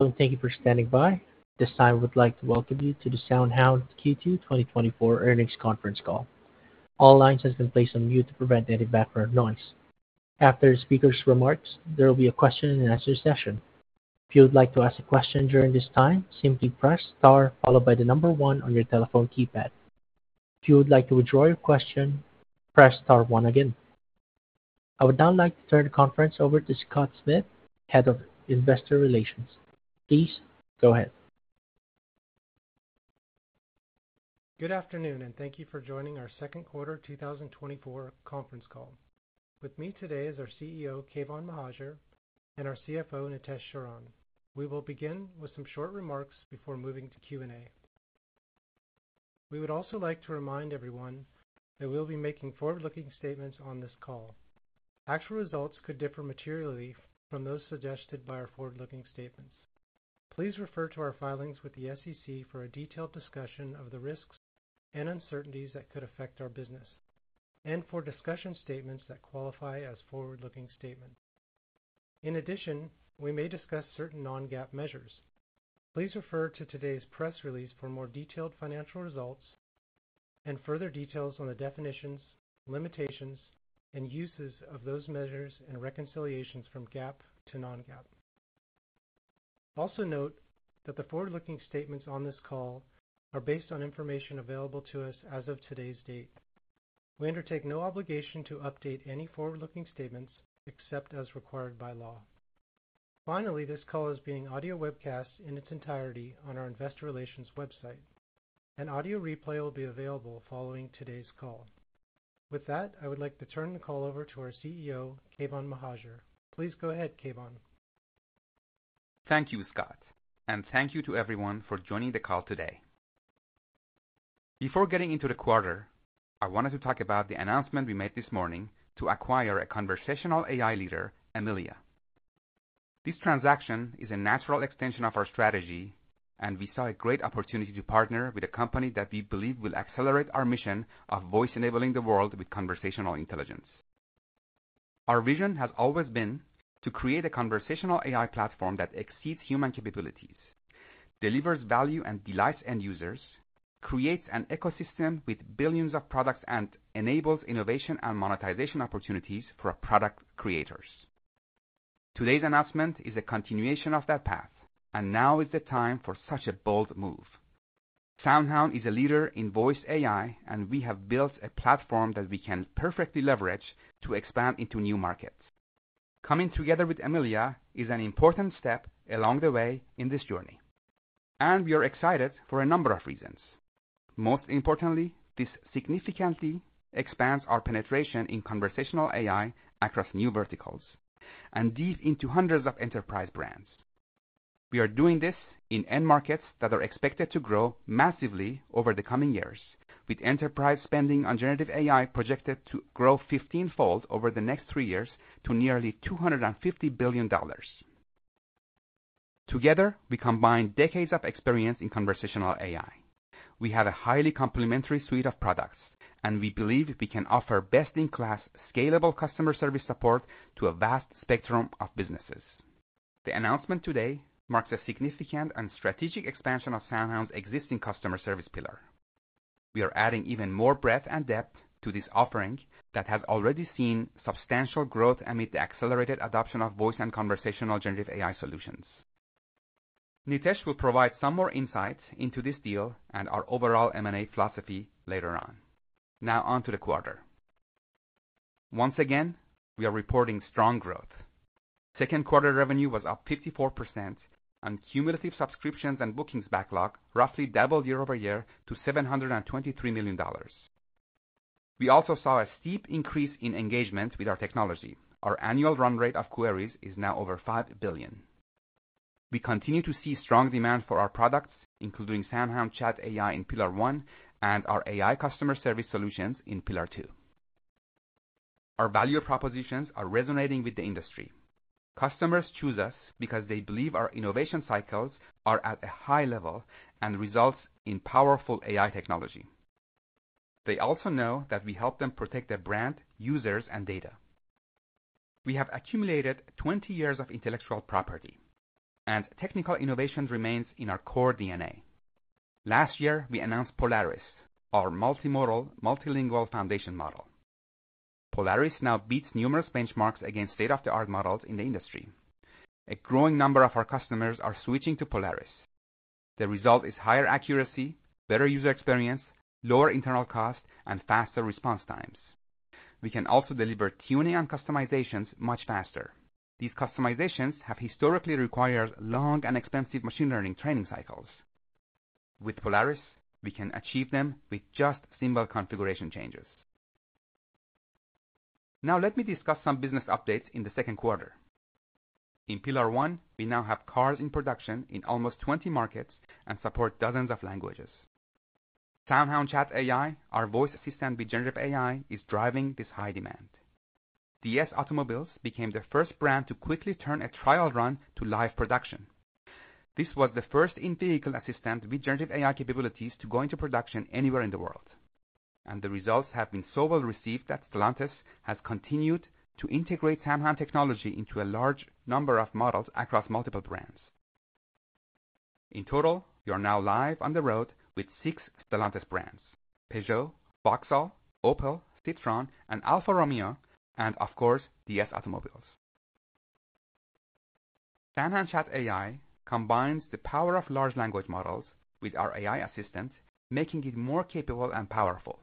Welcome. Thank you for standing by. At this time, I would like to welcome you to the SoundHound Q2 2024 Earnings Conference Call. All lines have been placed on mute to prevent any background noise. After the speaker's remarks, there will be a question and answer session. If you would like to ask a question during this time, simply press star followed by the number one on your telephone keypad. If you would like to withdraw your question, press star one again. I would now like to turn the conference over to Scott Smith, Head of Investor Relations. Please go ahead. Good afternoon, and thank you for joining our second quarter of 2024 conference call. With me today is our CEO, Keyvan Mohajer, and our CFO, Nitesh Sharan. We will begin with some short remarks before moving to Q&A. We would also like to remind everyone that we'll be making forward-looking statements on this call. Actual results could differ materially from those suggested by our forward-looking statements. Please refer to our filings with the SEC for a detailed discussion of the risks and uncertainties that could affect our business, and for discussion statements that qualify as forward-looking statements. In addition, we may discuss certain non-GAAP measures. Please refer to today's press release for more detailed financial results and further details on the definitions, limitations, and uses of those measures and reconciliations from GAAP to non-GAAP. Also, note that the forward-looking statements on this call are based on information available to us as of today's date. We undertake no obligation to update any forward-looking statements except as required by law. Finally, this call is being audio webcast in its entirety on our investor relations website. An audio replay will be available following today's call. With that, I would like to turn the call over to our CEO, Keyvan Mohajer. Please go ahead, Keyvan. Thank you, Scott, and thank you to everyone for joining the call today. Before getting into the quarter, I wanted to talk about the announcement we made this morning to acquire a conversational AI leader, Amelia. This transaction is a natural extension of our strategy, and we saw a great opportunity to partner with a company that we believe will accelerate our mission of voice-enabling the world with conversational intelligence. Our vision has always been to create a conversational AI platform that exceeds human capabilities, delivers value, and delights end users, creates an ecosystem with billions of products, and enables innovation and monetization opportunities for our product creators. Today's announcement is a continuation of that path, and now is the time for such a bold move. SoundHound is a leader in voice AI, and we have built a platform that we can perfectly leverage to expand into new markets. Coming together with Amelia is an important step along the way in this journey, and we are excited for a number of reasons. Most importantly, this significantly expands our penetration in conversational AI across new verticals and deep into hundreds of enterprise brands. We are doing this in end markets that are expected to grow massively over the coming years, with enterprise spending on generative AI projected to grow 15-fold over the next 3 years to nearly $250 billion. Together, we combine decades of experience in conversational AI. We have a highly complementary suite of products, and we believe we can offer best-in-class, scalable customer service support to a vast spectrum of businesses. The announcement today marks a significant and strategic expansion of SoundHound's existing customer service pillar. We are adding even more breadth and depth to this offering that has already seen substantial growth amid the accelerated adoption of voice and conversational generative AI solutions. Nitesh will provide some more insights into this deal and our overall M&A philosophy later on. Now onto the quarter. Once again, we are reporting strong growth. Second quarter revenue was up 54% on cumulative subscriptions, and bookings backlog roughly doubled year-over-year to $723 million. We also saw a steep increase in engagement with our technology. Our annual run rate of queries is now over 5 billion. We continue to see strong demand for our products, including SoundHound Chat AI in Pillar 1 and our AI customer service solutions in Pillar 2. Our value propositions are resonating with the industry. Customers choose us because they believe our innovation cycles are at a high level and results in powerful AI technology. They also know that we help them protect their brand, users, and data. We have accumulated 20 years of intellectual property, and technical innovation remains in our core DNA. Last year, we announced Polaris, our multimodal, multilingual foundation model. Polaris now beats numerous benchmarks against state-of-the-art models in the industry. A growing number of our customers are switching to Polaris. The result is higher accuracy, better user experience, lower internal cost, and faster response times. We can also deliver tuning and customizations much faster. These customizations have historically required long and expensive machine learning training cycles. With Polaris, we can achieve them with just simple configuration changes. Now, let me discuss some business updates in the second quarter. In Pillar 1, we now have cars in production in almost 20 markets and support dozens of languages. SoundHound Chat AI, our voice assistant with generative AI, is driving this high demand. DS Automobiles became the first brand to quickly turn a trial run to live production. This was the first in-vehicle assistant with generative AI capabilities to go into production anywhere in the world and the results have been so well received that Stellantis has continued to integrate SoundHound technology into a large number of models across multiple brands. In total, we are now live on the road with 6 Stellantis brands: Peugeot, Vauxhall, Opel, Citroën, and Alfa Romeo, and of course, DS Automobiles. SoundHound Chat AI combines the power of large language models with our AI assistant, making it more capable and powerful.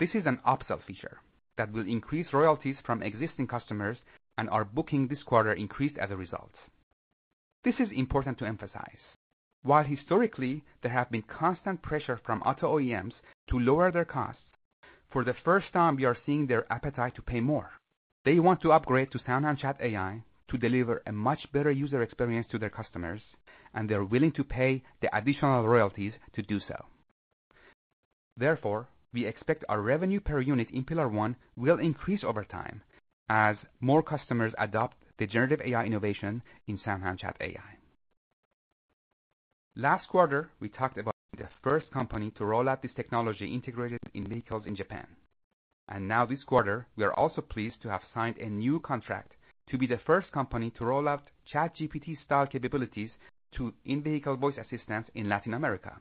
This is an upsell feature that will increase royalties from existing customers, and our booking this quarter increased as a result. This is important to emphasize. While historically, there have been constant pressure from auto OEMs to lower their costs, for the first time, we are seeing their appetite to pay more. They want to upgrade to SoundHound Chat AI to deliver a much better user experience to their customers, and they're willing to pay the additional royalties to do so. Therefore, we expect our revenue per unit in Pillar 1 will increase over time as more customers adopt generative AI innovation in SoundHound Chat AI. Last quarter, we talked about being the first company to roll out this technology integrated in vehicles in Japan, and now this quarter, we are also pleased to have signed a new contract to be the first company to roll out ChatGPT-style capabilities to in-vehicle voice assistants in Latin America.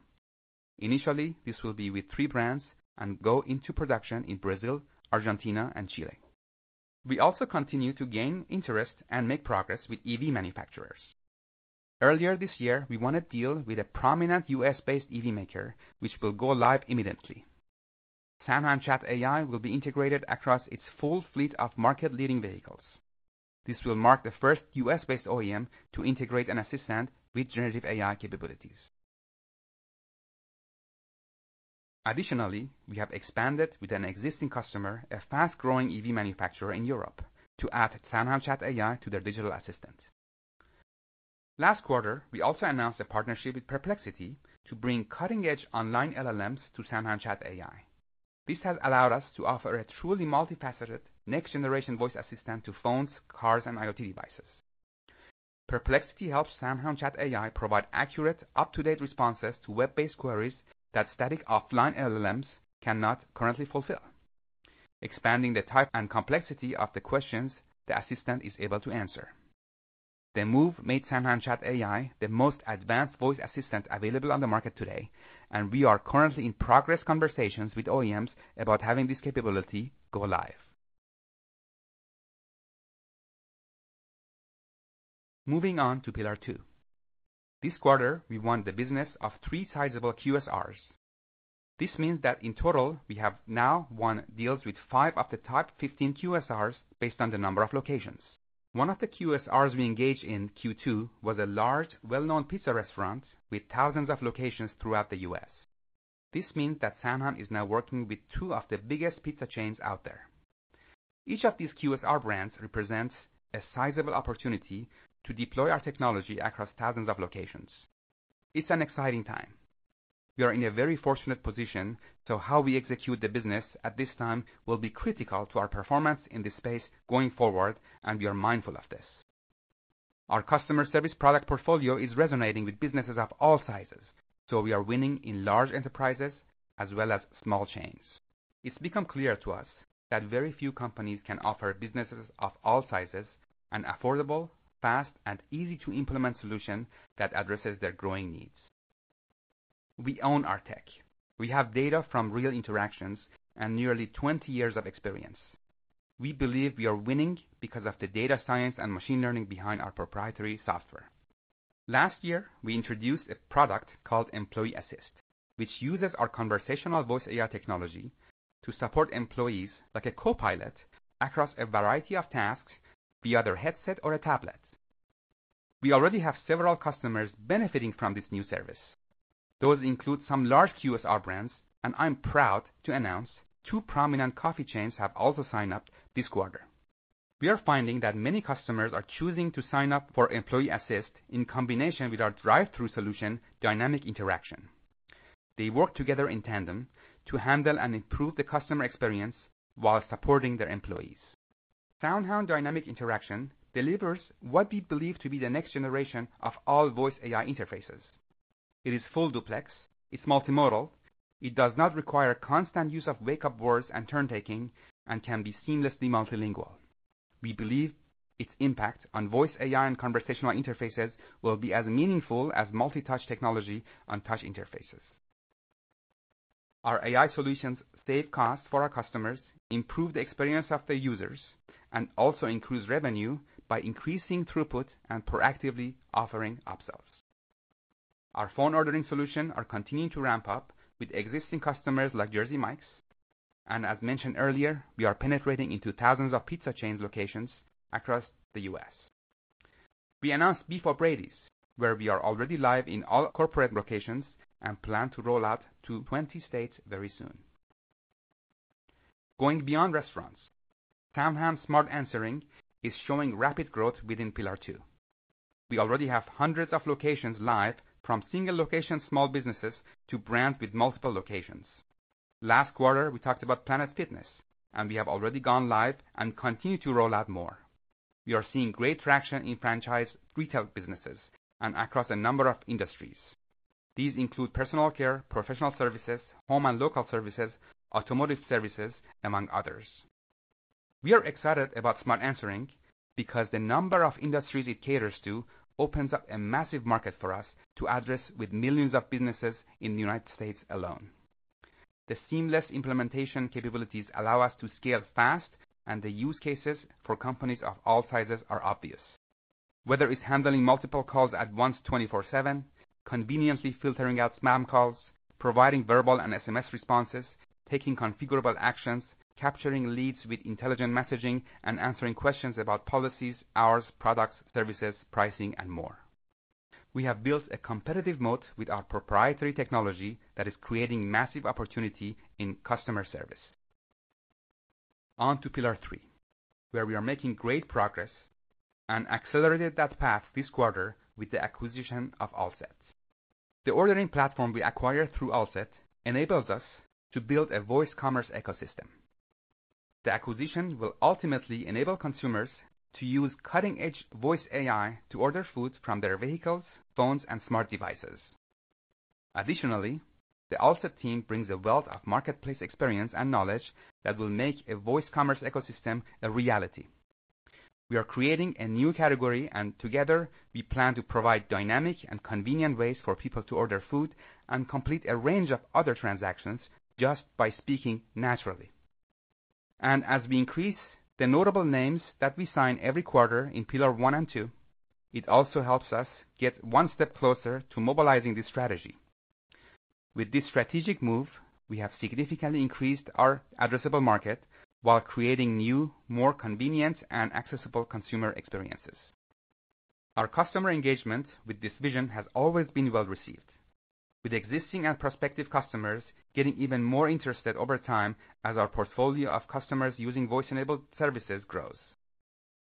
Initially, this will be with three brands and go into production in Brazil, Argentina, and Chile. We also continue to gain interest and make progress with EV manufacturers. Earlier this year, we won a deal with a prominent U.S.-based EV maker, which will go live immediately. SoundHound Chat AI will be integrated across its full fleet of market-leading vehicles. This will mark the first U.S.-based OEM to integrate an assistant with generative AI capabilities. Additionally, we have expanded with an existing customer, a fast-growing EV manufacturer in Europe, to add SoundHound Chat AI to their digital assistant. Last quarter, we also announced a partnership with Perplexity to bring cutting-edge online LLMs to SoundHound Chat AI. This has allowed us to offer a truly multifaceted, next-generation voice assistant to phones, cars, and IoT devices. Perplexity helps SoundHound Chat AI provide accurate, up-to-date responses to web-based queries that static offline LLMs cannot currently fulfill, expanding the type and complexity of the questions the assistant is able to answer. The move made SoundHound Chat AI the most advanced voice assistant available on the market today, and we are currently in progress conversations with OEMs about having this capability go live. Moving on to Pillar 2. This quarter, we won the business of three sizable QSRs. This means that in total, we have now won deals with five of the top 15 QSRs based on the number of locations. One of the QSRs we engaged in Q2 was a large, well-known pizza restaurant with thousands of locations throughout the U.S. This means that SoundHound is now working with two of the biggest pizza chains out there. Each of these QSR brands represents a sizable opportunity to deploy our technology across thousands of locations. It's an exciting time. We are in a very fortunate position, so how we execute the business at this time will be critical to our performance in this space going forward, and we are mindful of this. Our customer service product portfolio is resonating with businesses of all sizes, so we are winning in large enterprises as well as small chains. It's become clear to us that very few companies can offer businesses of all sizes an affordable, fast, and easy-to-implement solution that addresses their growing needs. We own our tech. We have data from real interactions and nearly 20 years of experience. We believe we are winning because of the data science and machine learning behind our proprietary software. Last year, we introduced a product called Employee Assist, which uses our conversational voice AI technology to support employees like a copilot across a variety of tasks, via their headset or a tablet. We already have several customers benefiting from this new service. Those include some large QSR brands, and I'm proud to announce two prominent coffee chains have also signed up this quarter. We are finding that many customers are choosing to sign up for Employee Assist in combination with our drive-thru solution, Dynamic Interaction. They work together in tandem to handle and improve the customer experience while supporting their employees. SoundHound Dynamic Interaction delivers what we believe to be the next generation of all voice AI interfaces. It is full duplex, it's multimodal, it does not require constant use of wake-up words and turn-taking, and can be seamlessly multilingual. We believe its impact on voice AI and conversational interfaces will be as meaningful as multi-touch technology on touch interfaces. Our AI solutions save costs for our customers, improve the experience of their users, and also increase revenue by increasing throughput and proactively offering upsells. Our phone ordering solution are continuing to ramp up with existing customers like Jersey Mike's, and as mentioned earlier, we are penetrating into thousands of pizza chain locations across the U.S. We announced Beef 'O' Brady's, where we are already live in all corporate locations and plan to roll out to 20 states very soon. Going beyond restaurants, SoundHound Smart Answering is showing rapid growth within Pillar 2. We already have hundreds of locations live, from single-location small businesses to brands with multiple locations. Last quarter, we talked about Planet Fitness, and we have already gone live and continue to roll out more. We are seeing great traction in franchise retail businesses and across a number of industries. These include personal care, professional services, home and local services, automotive services, among others. We are excited about Smart Answering because the number of industries it caters to opens up a massive market for us to address with millions of businesses in the United States alone. The seamless implementation capabilities allow us to scale fast, and the use cases for companies of all sizes are obvious. Whether it's handling multiple calls at once 24/7, conveniently filtering out spam calls, providing verbal and SMS responses, taking configurable actions, capturing leads with intelligent messaging, and answering questions about policies, hours, products, services, pricing, and more. We have built a competitive moat with our proprietary technology that is creating massive opportunity in customer service. On to Pillar 3, where we are making great progress and accelerated that path this quarter with the acquisition of Allset. The ordering platform we acquired through Allset enables us to build a voice commerce ecosystem. The acquisition will ultimately enable consumers to use cutting-edge voice AI to order food from their vehicles, phones, and smart devices. Additionally, the Allset team brings a wealth of marketplace experience and knowledge that will make a voice commerce ecosystem a reality. We are creating a new category, and together, we plan to provide dynamic and convenient ways for people to order food and complete a range of other transactions just by speaking naturally. As we increase the notable names that we sign every quarter in Pillar 1 and two, it also helps us get one step closer to mobilizing this strategy. With this strategic move, we have significantly increased our addressable market while creating new, more convenient, and accessible consumer experiences. Our customer engagement with this vision has always been well-received, with existing and prospective customers getting even more interested over time as our portfolio of customers using voice-enabled services grows.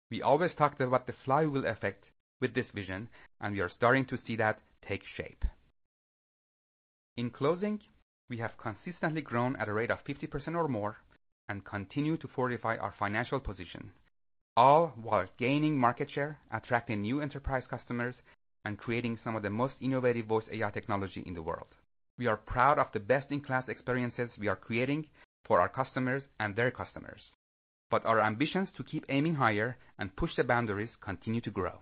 We always talk about the flywheel effect with this vision, and we are starting to see that take shape. In closing, we have consistently grown at a rate of 50% or more and continue to fortify our financial position, all while gaining market share, attracting new enterprise customers, and creating some of the most innovative voice AI technology in the world. We are proud of the best-in-class experiences we are creating for our customers and their customers, but our ambitions to keep aiming higher and push the boundaries continue to grow.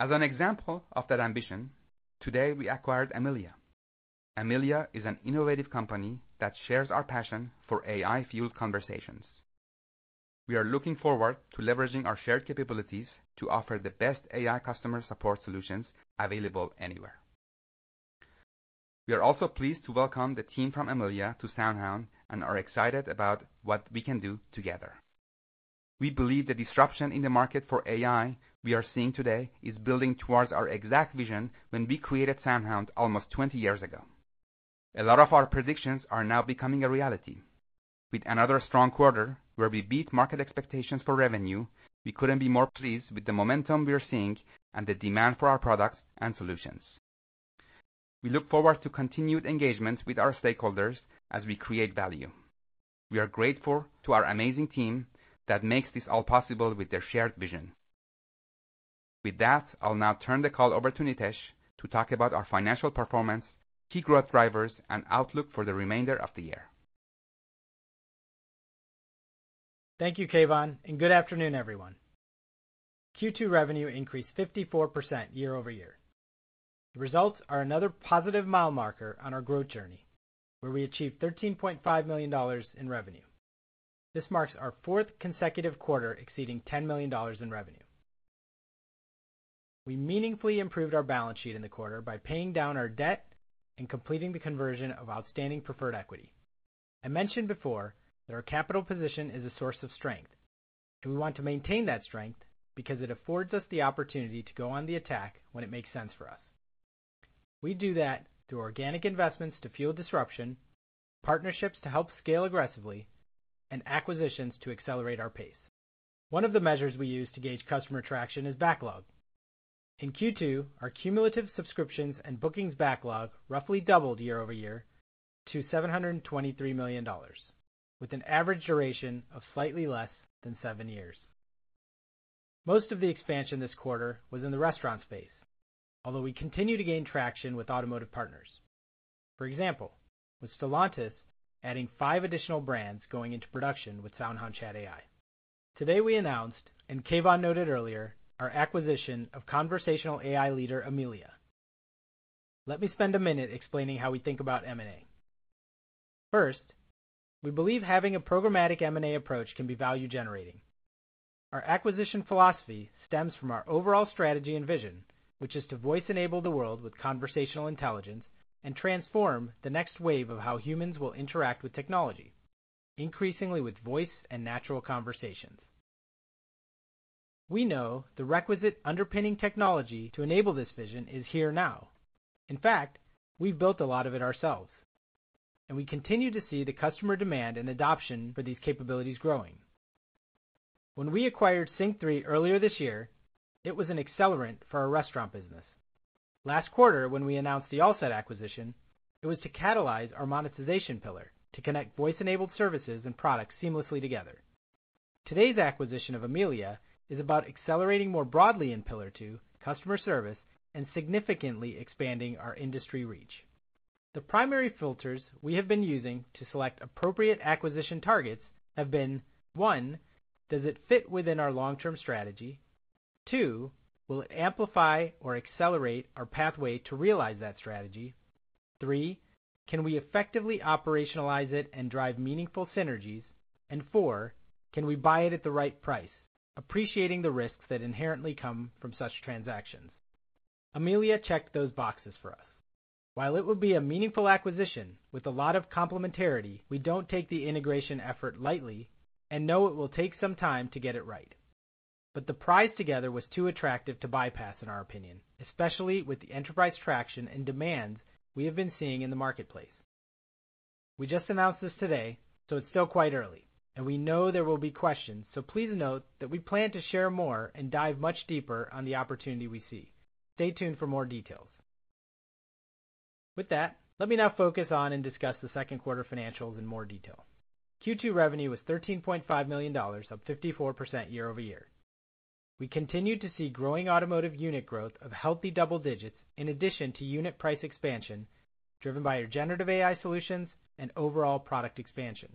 As an example of that ambition, today, we acquired Amelia. Amelia is an innovative company that shares our passion for AI-fueled conversations. We are looking forward to leveraging our shared capabilities to offer the best AI customer support solutions available anywhere. We are also pleased to welcome the team from Amelia to SoundHound and are excited about what we can do together. We believe the disruption in the market for AI we are seeing today is building towards our exact vision when we created SoundHound almost 20 years ago. A lot of our predictions are now becoming a reality. With another strong quarter where we beat market expectations for revenue, we couldn't be more pleased with the momentum we are seeing and the demand for our products and solutions. We look forward to continued engagement with our stakeholders as we create value. We are grateful to our amazing team that makes this all possible with their shared vision. With that, I'll now turn the call over to Nitesh to talk about our financial performance, key growth drivers, and outlook for the remainder of the year. Thank you, Keyvan, and good afternoon, everyone. Q2 revenue increased 54% year-over-year. The results are another positive mile marker on our growth journey, where we achieved $13.5 million in revenue. This marks our fourth consecutive quarter exceeding $10 million in revenue. We meaningfully improved our balance sheet in the quarter by paying down our debt and completing the conversion of outstanding preferred equity. I mentioned before that our capital position is a source of strength, and we want to maintain that strength because it affords us the opportunity to go on the attack when it makes sense for us. We do that through organic investments to fuel disruption, partnerships to help scale aggressively, and acquisitions to accelerate our pace. One of the measures we use to gauge customer traction is backlog. In Q2, our cumulative subscriptions and bookings backlog roughly doubled year-over-year to $723 million, with an average duration of slightly less than seven years. Most of the expansion this quarter was in the restaurant space, although we continue to gain traction with automotive partners. For example, with Stellantis adding five additional brands going into production with SoundHound Chat AI. Today we announced, and Keyvan noted earlier, our acquisition of conversational AI leader, Amelia. Let me spend a minute explaining how we think about M&A. First, we believe having a programmatic M&A approach can be value-generating. Our acquisition philosophy stems from our overall strategy and vision, which is to voice-enable the world with conversational intelligence and transform the next wave of how humans will interact with technology, increasingly with voice and natural conversations. We know the requisite underpinning technology to enable this vision is here now. In fact, we've built a lot of it ourselves, and we continue to see the customer demand and adoption for these capabilities growing. When we acquired SYNQ3 earlier this year, it was an accelerant for our restaurant business. Last quarter, when we announced the Allset acquisition, it was to catalyze our monetization pillar to connect voice-enabled services and products seamlessly together. Today's acquisition of Amelia is about accelerating more broadly in Pillar 2, customer service, and significantly expanding our industry reach. The primary filters we have been using to select appropriate acquisition targets have been: one, does it fit within our long-term strategy? Two, will it amplify or accelerate our pathway to realize that strategy? Three, can we effectively operationalize it and drive meaningful synergies? Four, can we buy it at the right price, appreciating the risks that inherently come from such transactions? Amelia checked those boxes for us. While it will be a meaningful acquisition with a lot of complementarity, we don't take the integration effort lightly and know it will take some time to get it right. But the prize together was too attractive to bypass, in our opinion, especially with the enterprise traction and demand we have been seeing in the marketplace. We just announced this today, so it's still quite early, and we know there will be questions. So please note that we plan to share more and dive much deeper on the opportunity we see. Stay tuned for more details. With that, let me now focus on and discuss the second quarter financials in more detail. Q2 revenue was $13.5 million, up 54% year-over-year. We continued to see growing automotive unit growth of healthy double digits, in addition to unit price expansion, driven by our generative AI solutions and overall product expansion.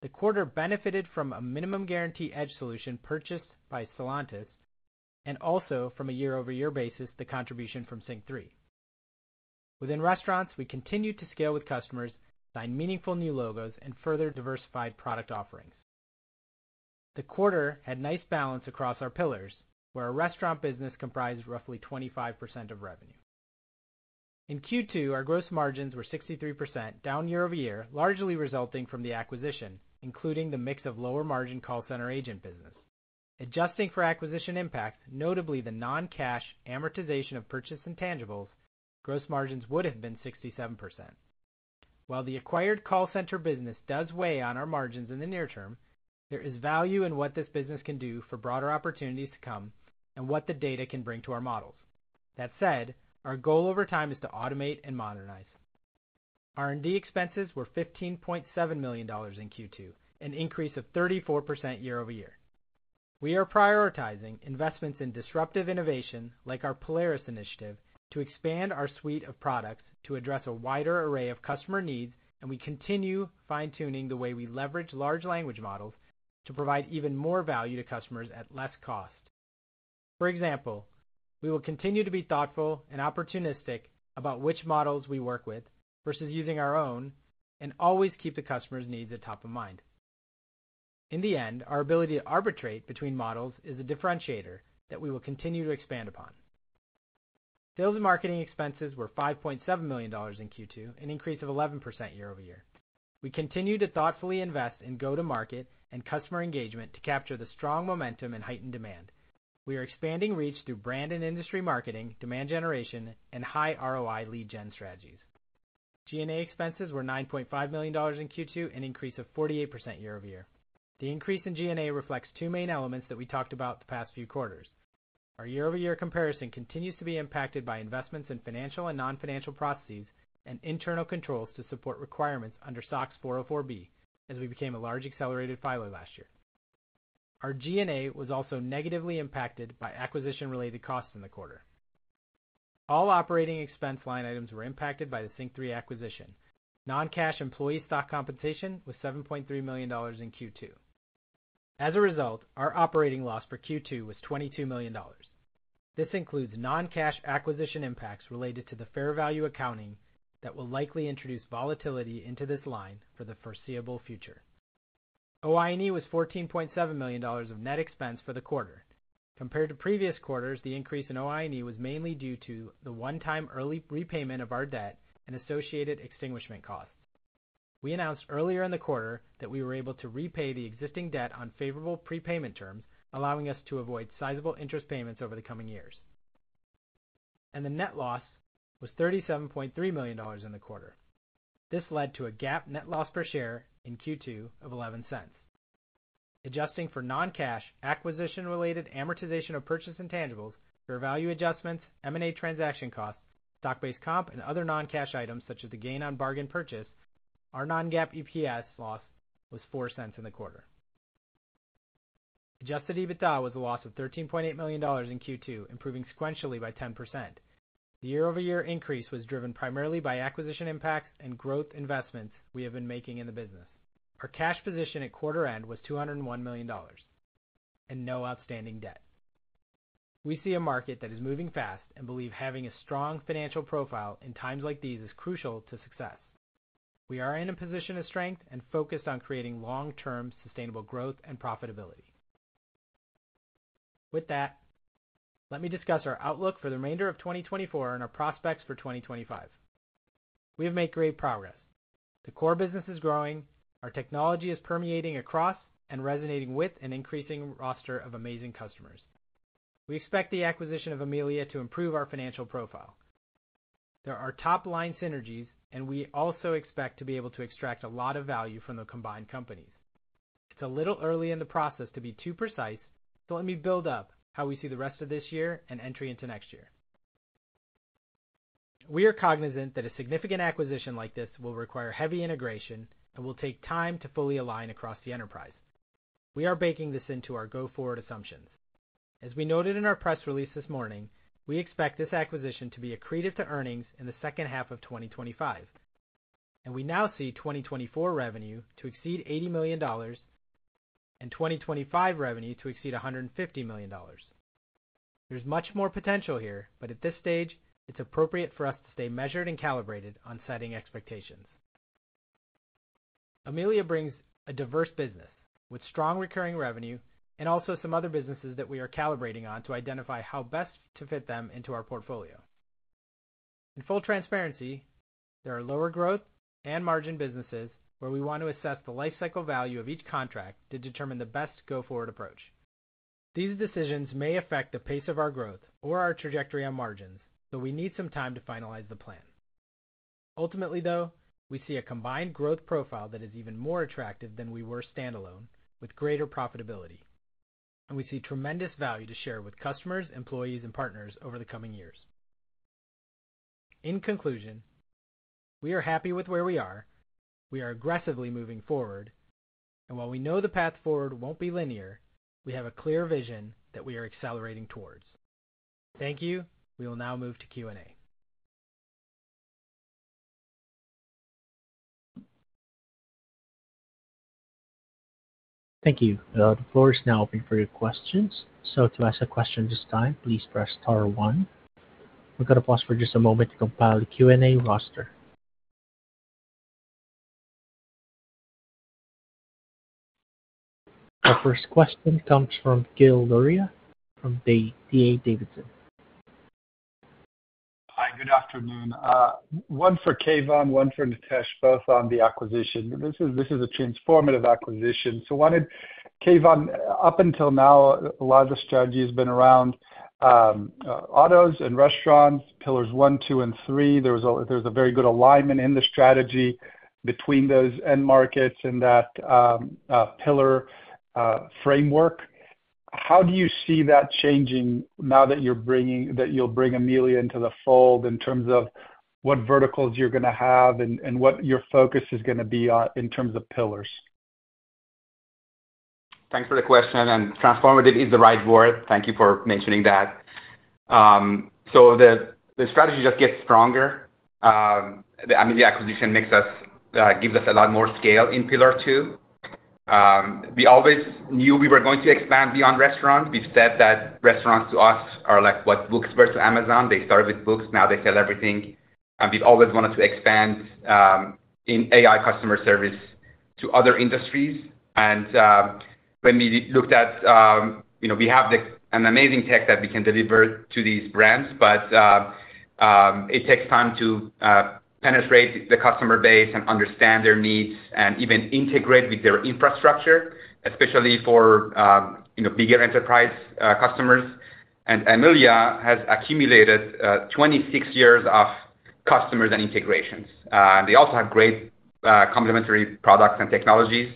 The quarter benefited from a minimum guarantee edge solution purchased by Stellantis, and also from a year-over-year basis, the contribution from SYNQ3. Within restaurants, we continued to scale with customers, sign meaningful new logos, and further diversified product offerings. The quarter had nice balance across our pillars, where our restaurant business comprised roughly 25% of revenue. In Q2, our gross margins were 63%, down year-over-year, largely resulting from the acquisition, including the mix of lower margin call center agent business. Adjusting for acquisition impacts, notably the non-cash amortization of purchasing tangibles, gross margins would have been 67%. While the acquired call center business does weigh on our margins in the near term, there is value in what this business can do for broader opportunities to come and what the data can bring to our models. That said, our goal over time is to automate and modernize. R&D expenses were $15.7 million in Q2, an increase of 34% year-over-year. We are prioritizing investments in disruptive innovation, like our Polaris initiative, to expand our suite of products to address a wider array of customer needs, and we continue fine-tuning the way we leverage large language models to provide even more value to customers at less cost. For example, we will continue to be thoughtful and opportunistic about which models we work with versus using our own, and always keep the customer's needs at top of mind. In the end, our ability to arbitrate between models is a differentiator that we will continue to expand upon. Sales and marketing expenses were $5.7 million in Q2, an increase of 11% year-over-year. We continue to thoughtfully invest in go-to-market and customer engagement to capture the strong momentum and heightened demand. We are expanding reach through brand and industry marketing, demand generation, and high ROI lead gen strategies. G&A expenses were $9.5 million in Q2, an increase of 48% year-over-year. The increase in G&A reflects two main elements that we talked about the past few quarters. Our year-over-year comparison continues to be impacted by investments in financial and non-financial processes and internal controls to support requirements under SOX 404(b), as we became a large accelerated filer last year. Our G&A was also negatively impacted by acquisition-related costs in the quarter. All operating expense line items were impacted by the SYNQ3 acquisition. Non-cash employee stock compensation was $7.3 million in Q2. As a result, our operating loss for Q2 was $22 million. This includes non-cash acquisition impacts related to the fair value accounting that will likely introduce volatility into this line for the foreseeable future. OI&E was $14.7 million of net expense for the quarter. Compared to previous quarters, the increase in OI&E was mainly due to the one-time early repayment of our debt and associated extinguishment costs. We announced earlier in the quarter that we were able to repay the existing debt on favorable prepayment terms, allowing us to avoid sizable interest payments over the coming years. The net loss was $37.3 million in the quarter. This led to a GAAP net loss per share in Q2 of $0.11. Adjusting for non-cash, acquisition-related amortization of purchased intangibles, fair value adjustments, M&A transaction costs, stock-based comp, and other non-cash items such as the gain on bargain purchase, our non-GAAP EPS loss was $0.04 in the quarter. Adjusted EBITDA was a loss of $13.8 million in Q2, improving sequentially by 10%. The year-over-year increase was driven primarily by acquisition impacts and growth investments we have been making in the business. Our cash position at quarter end was $201 million and no outstanding debt. We see a market that is moving fast and believe having a strong financial profile in times like these is crucial to success. We are in a position of strength and focused on creating long-term sustainable growth and profitability. With that, let me discuss our outlook for the remainder of 2024 and our prospects for 2025. We have made great progress. The core business is growing, our technology is permeating across and resonating with an increasing roster of amazing customers. We expect the acquisition of Amelia to improve our financial profile. There are top-line synergies, and we also expect to be able to extract a lot of value from the combined companies. It's a little early in the process to be too precise, so let me build up how we see the rest of this year and entry into next year. We are cognizant that a significant acquisition like this will require heavy integration and will take time to fully align across the enterprise. We are baking this into our go-forward assumptions. As we noted in our press release this morning, we expect this acquisition to be accretive to earnings in the second half of 2025, and we now see 2024 revenue to exceed $80 million, and 2025 revenue to exceed $150 million. There's much more potential here, but at this stage, it's appropriate for us to stay measured and calibrated on setting expectations. Amelia brings a diverse business with strong recurring revenue and also some other businesses that we are calibrating on to identify how best to fit them into our portfolio. In full transparency, there are lower growth and margin businesses where we want to assess the lifecycle value of each contract to determine the best go-forward approach. These decisions may affect the pace of our growth or our trajectory on margins, so we need some time to finalize the plan. Ultimately, though, we see a combined growth profile that is even more attractive than we were standalone, with greater profitability. We see tremendous value to share with customers, employees, and partners over the coming years. In conclusion, we are happy with where we are. We are aggressively moving forward, and while we know the path forward won't be linear, we have a clear vision that we are accelerating towards. Thank you. We will now move to Q&A. Thank you. The floor is now open for your questions. So to ask a question this time, please press star one. We're going to pause for just a moment to compile the Q&A roster. The first question comes from Gil Luria, from D.A. Davidson. Hi, good afternoon. One for Keyvan, one for Nitesh, both on the acquisition. This is, this is a transformative acquisition. So wanted, Keyvan, up until now, a lot of the strategy has been around autos and restaurants, pillars one, two, and three. There was a-- there's a very good alignment in the strategy between those end markets and that pillar framework. How do you see that changing now that you're bringing-- that you'll bring Amelia into the fold, in terms of what verticals you're gonna have and what your focus is gonna be on in terms of pillars? Thanks for the question, and transformative is the right word. Thank you for mentioning that. So the strategy just gets stronger. I mean, the acquisition makes us, gives us a lot more scale in Pillar 2. We always knew we were going to expand beyond restaurant. We've said that restaurants to us are like what books were to Amazon. They started with books, now they sell everything. And we've always wanted to expand in AI customer service to other industries. And when we looked at, you know, we have an amazing tech that we can deliver to these brands, but it takes time to penetrate the customer base and understand their needs and even integrate with their infrastructure, especially for, you know, bigger enterprise customers. Amelia has accumulated 26 years of customers and integrations. They also have great complementary products and technologies.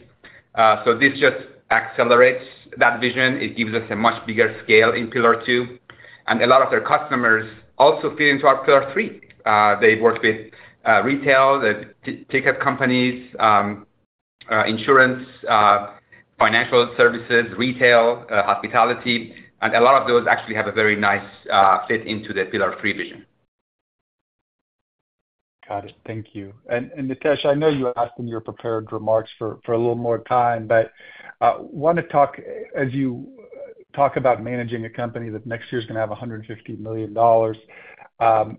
So this just accelerates that vision. It gives us a much bigger scale in Pillar 2, and a lot of their customers also fit into our Pillar 3. They've worked with retail, ticket companies, insurance, financial services, retail, hospitality, and a lot of those actually have a very nice fit into the Pillar 3 vision. Got it. Thank you. And Nitesh, I know you asked in your prepared remarks for a little more time, but want to talk, as you talk about managing a company that next year is gonna have $150 million.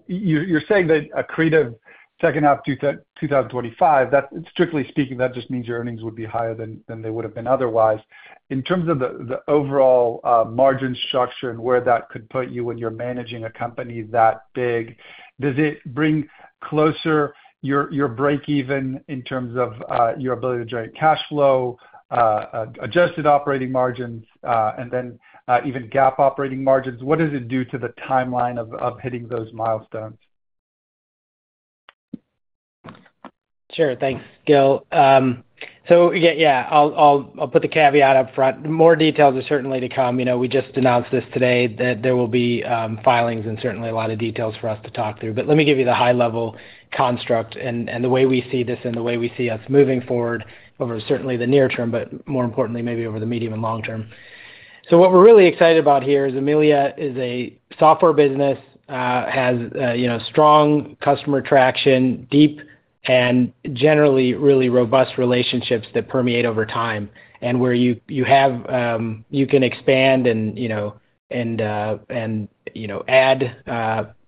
You're saying that accretive second half 2025, that, strictly speaking, that just means your earnings would be higher than they would've been otherwise. In terms of the overall margin structure and where that could put you when you're managing a company that big, does it bring closer your break even in terms of your ability to generate cash flow, adjusted operating margins, and then even GAAP operating margins? What does it do to the timeline of hitting those milestones? Sure. Thanks, Gil. So yeah, yeah, I'll, I'll, I'll put the caveat up front. More details are certainly to come. You know, we just announced this today, that there will be filings and certainly a lot of details for us to talk through. But let me give you the high-level construct and the way we see this and the way we see us moving forward over certainly the near term, but more importantly, maybe over the medium and long term. So what we're really excited about here is Amelia is a software business, has you know, strong customer traction, deep and generally really robust relationships that permeate over time and where you, you have, you can expand and, you know, and, and, you know, add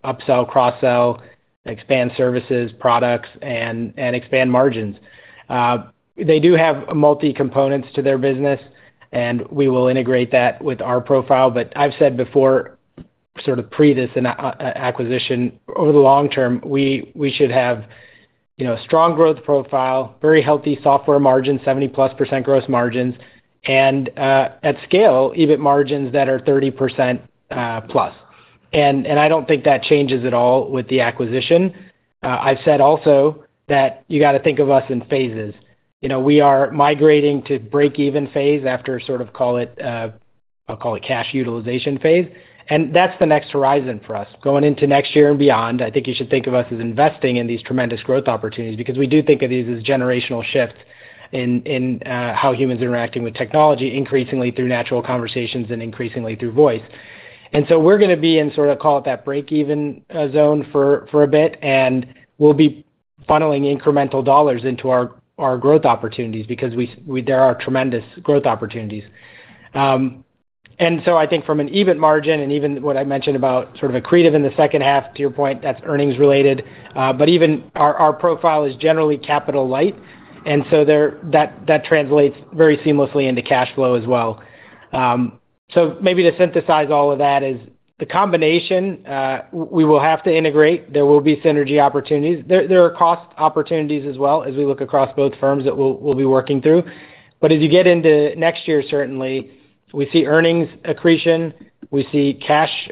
upsell, cross-sell, expand services, products, and expand margins. They do have multi-components to their business, and we will integrate that with our profile. But I've said before, sort of pre this acquisition, over the long term, we should have, you know, strong growth profile, very healthy software margins, 70%+ gross margins, and at scale, EBIT margins that are 30%+. And I don't think that changes at all with the acquisition. I've said also that you got to think of us in phases. You know, we are migrating to break-even phase after sort of, call it, I'll call it cash utilization phase, and that's the next horizon for us. Going into next year and beyond, I think you should think of us as investing in these tremendous growth opportunities, because we do think of these as generational shifts in how humans are interacting with technology, increasingly through natural conversations and increasingly through voice. And so we're gonna be in sort of, call it, that break-even zone for a bit, and we'll be funneling incremental dollars into our growth opportunities because we there are tremendous growth opportunities. And so I think from an EBIT margin and even what I mentioned about sort of accretive in the second half, to your point, that's earnings related. But even our profile is generally capital light, and so there that translates very seamlessly into cash flow as well. So maybe to synthesize all of that is the combination we will have to integrate. There will be synergy opportunities. There, there are cost opportunities as well, as we look across both firms that we'll, we'll be working through. But as you get into next year, certainly, we see earnings accretion, we see cash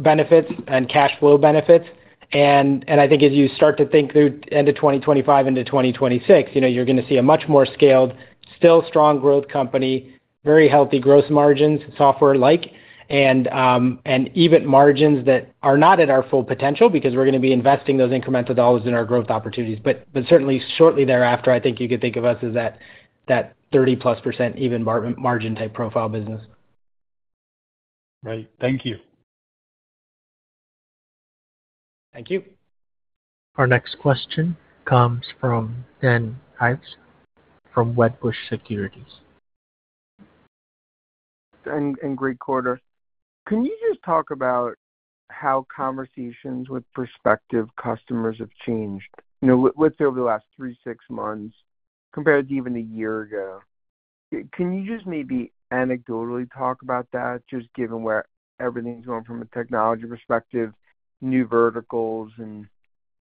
benefits and cash flow benefits. And, and I think as you start to think through end of 2025 into 2026, you know, you're gonna see a much more scaled, still strong growth company, very healthy gross margins, software-like, and EBIT margins that are not at our full potential because we're gonna be investing those incremental dollars in our growth opportunities. But, but certainly shortly thereafter, I think you could think of us as that, that 30%+ even margin type profile business. Great. Thank you. Thank you. Our next question comes from Dan Ives from Wedbush Securities. Dan, and great quarter. Can you just talk about how conversations with prospective customers have changed? You know, let's say over the last 3, 6 months, compared to even a year ago. Can you just maybe anecdotally talk about that, just given where everything's going from a technology perspective, new verticals, and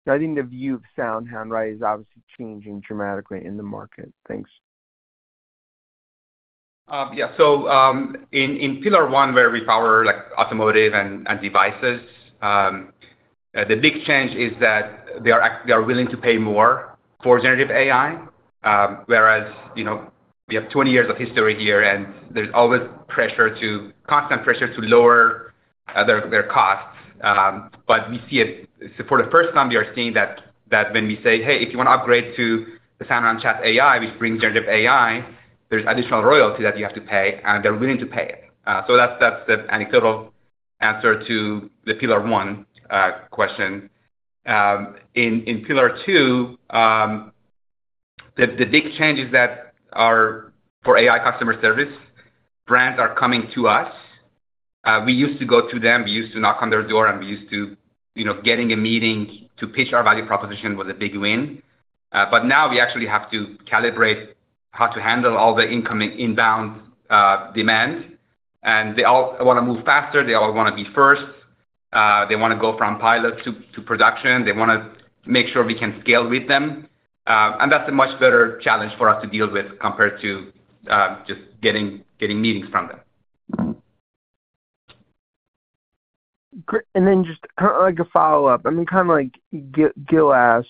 I think the view of SoundHound, right, is obviously changing dramatically in the market. Thanks. Yeah. So, in Pillar 1, where we power, like, automotive and devices, the big change is that they are willing to pay more for generative AI, whereas, you know, we have 20 years of history here, and there's always constant pressure to lower their costs. But we see it. For the first time, we are seeing that when we say, "Hey, if you want to upgrade to the SoundHound Chat AI, which brings generative AI, there's additional royalty that you have to pay," and they're willing to pay it. So that's the anecdotal answer to the Pillar 1 question. In Pillar 2, the big changes that are for AI customer service, brands are coming to us. We used to go to them, we used to knock on their door, and we used to, you know, getting a meeting to pitch our value proposition was a big win. But now we actually have to calibrate how to handle all the incoming inbound demands, and they all want to move faster, they all want to be first, they want to go from pilot to production. They want to make sure we can scale with them. And that's a much better challenge for us to deal with compared to just getting meetings from them. Great. And then just kind of like a follow-up, I mean, kind of like Gil, Gil asked,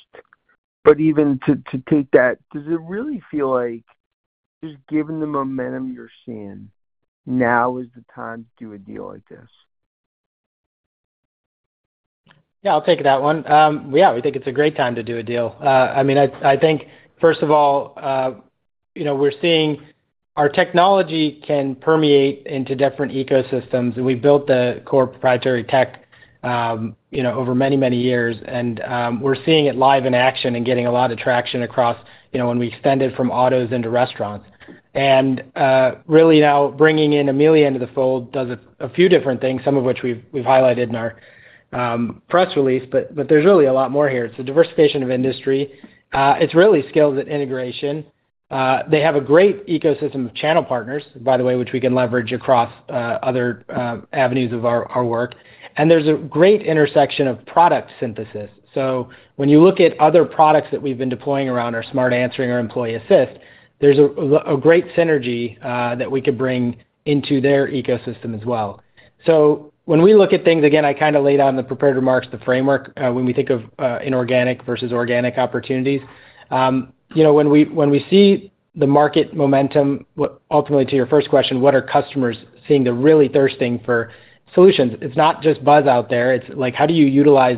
but even to, to take that, does it really feel like just given the momentum you're seeing, now is the time to do a deal like this? Yeah, I'll take that one. Yeah, we think it's a great time to do a deal. I mean, I think, first of all, you know, we're seeing our technology can permeate into different ecosystems, and we've built the core proprietary tech, you know, over many, many years. We're seeing it live in action and getting a lot of traction across, you know, when we extend it from autos into restaurants. Really now, bringing in Amelia into the fold does a few different things, some of which we've highlighted in our press release, but there's really a lot more here. It's a diversification of industry. It's really skills and integration. They have a great ecosystem of channel partners, by the way, which we can leverage across other avenues of our work. And there's a great intersection of product synthesis. So when you look at other products that we've been deploying around our Smart Answering, our Employee Assist, there's a great synergy that we could bring into their ecosystem as well. So when we look at things, again, I kind of laid out in the prepared remarks, the framework, when we think of inorganic versus organic opportunities. You know, when we see the market momentum, what ultimately, to your first question, what are customers seeing? They're really thirsting for solutions. It's not just buzz out there. It's like, how do you utilize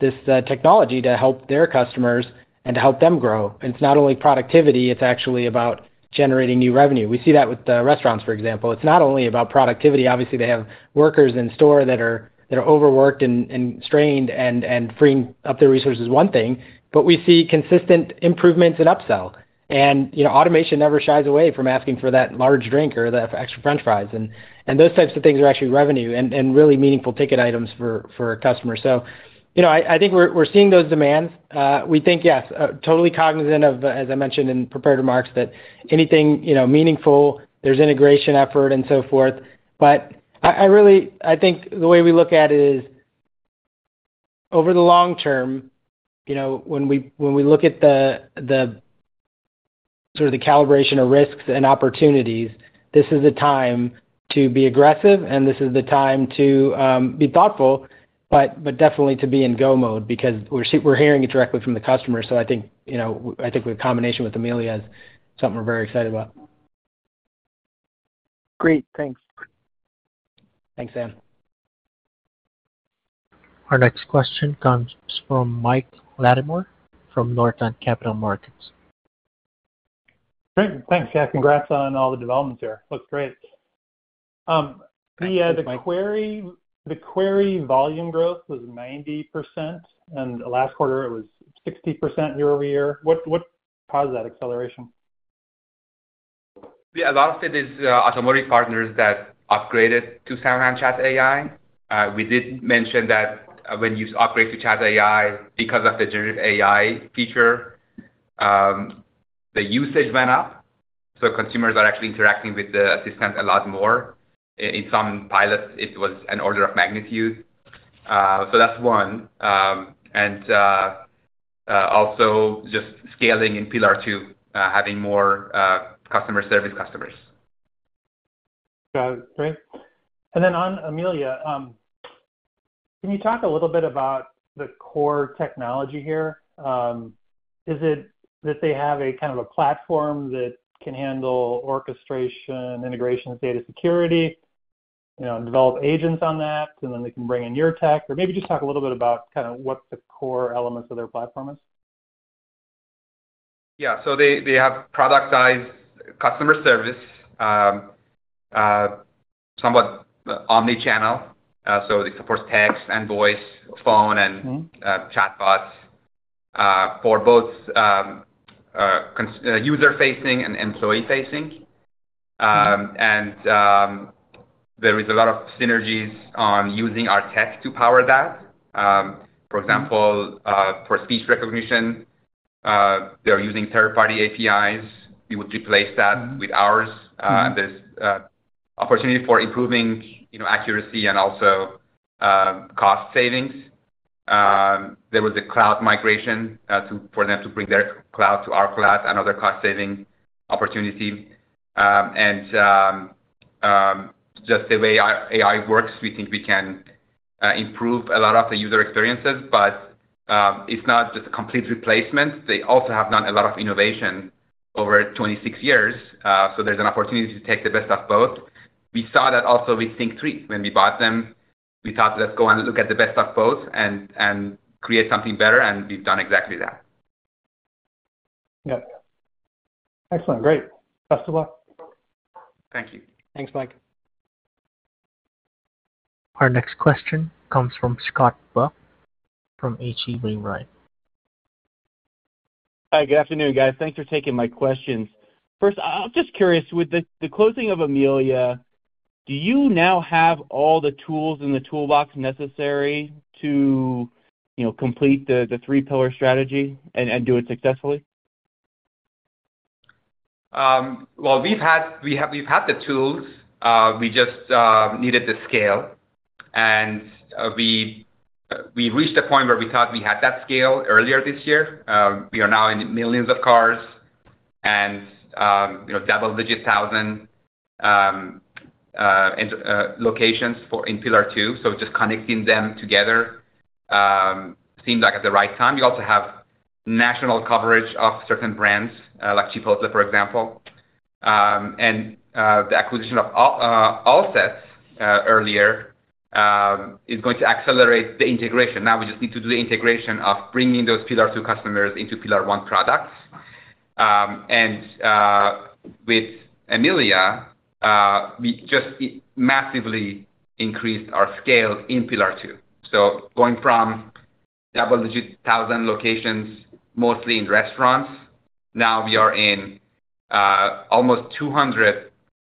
this technology to help their customers and to help them grow? And it's not only productivity, it's actually about generating new revenue. We see that with the restaurants, for example. It's not only about productivity. Obviously, they have workers in store that are overworked and strained, and freeing up their resources is one thing, but we see consistent improvements in upsell. And, you know, automation never shies away from asking for that large drink or the extra French fries. And those types of things are actually revenue and really meaningful ticket items for our customers. So, you know, I think we're seeing those demands. We think, yes, totally cognizant of, as I mentioned in prepared remarks, that anything, you know, meaningful, there's integration effort and so forth. But I think the way we look at it is, over the long term, you know, when we, when we look at the, the sort of the calibration of risks and opportunities, this is the time to be aggressive, and this is the time to be thoughtful, but, but definitely to be in go mode because we're hearing it directly from the customer. So I think, you know, I think the combination with Amelia is something we're very excited about. Great. Thanks. Thanks, Dan. Our next question comes from Mike Latimore, from Northland Capital Markets. Great. Thanks, yeah, congrats on all the developments here. Looks great. The query volume growth was 90%, and last quarter it was 60% year-over-year. What caused that acceleration? Yeah, a lot of it is, automotive partners that upgraded to SoundHound Chat AI. We did mention that when you operate to Chat AI, because of the generative AI feature, the usage went up, so consumers are actually interacting with the assistant a lot more. In some pilots, it was an order of magnitude. So that's one. And also just scaling in Pillar 2, having more customer service customers. Got it. Great. And then on Amelia, can you talk a little bit about the core technology here? Is it that they have a kind of a platform that can handle orchestration, integration with data security, you know, develop agents on that, and then they can bring in your tech? Or maybe just talk a little bit about kinda what the core elements of their platform is. Yeah. So they have productized customer service, somewhat omni-channel. So they support text and voice, phone, and- Mm-hmm... chatbots for both user-facing and employee-facing. There is a lot of synergies on using our tech to power that. Mm-hmm... for example, for speech recognition, they're using third-party APIs. We would replace that- Mm-hmm... with ours. There's opportunity for improving, you know, accuracy and also cost savings. There was a cloud migration to for them to bring their cloud to our cloud, another cost-saving opportunity. And just the way our AI works, we think we can improve a lot of the user experiences, but it's not just a complete replacement. They also have done a lot of innovation over 26 years, so there's an opportunity to take the best of both. We saw that also with SYNQ3. When we bought them, we thought, let's go and look at the best of both and create something better, and we've done exactly that. Yep. Excellent. Great! Best of luck. Thank you. Thanks, Mike. Our next question comes from Scott Buck, from H.C. Wainwright. Hi, good afternoon, guys. Thanks for taking my questions. First, I'm just curious, with the closing of Amelia, do you now have all the tools in the toolbox necessary to, you know, complete the three pillar strategy and do it successfully? Well, we've had the tools, we just needed the scale. We reached a point where we thought we had that scale earlier this year. We are now in millions of cars and, you know, double-digit thousand and locations for in Pillar 2, so just connecting them together seemed like at the right time. We also have national coverage of certain brands, like Chipotle, for example. The acquisition of Allset earlier is going to accelerate the integration. Now we just need to do the integration of bringing those Pillar 2 customers into Pillar 1 products. With Amelia, we just, it massively increased our scale in Pillar 2. So going from double-digit thousand locations, mostly in restaurants, now we are in almost 200